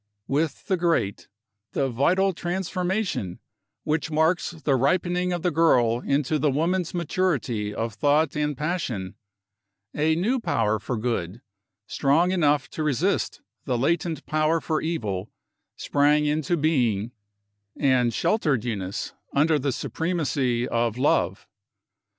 With the great, the vital transformation, which marks the ripening of the girl into the woman's maturity of thought and passion, a new power for Good, strong enough to resist the latent power for Evil, sprang into being, and sheltered Eunice under the supremacy of Love.